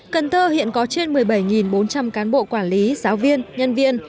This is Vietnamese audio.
cần thơ hiện có trên một mươi bảy bốn trăm linh cán bộ quản lý giáo viên nhân viên